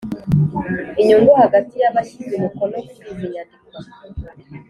Inyungu hagati yabashyize umukono kuri izi nyandiko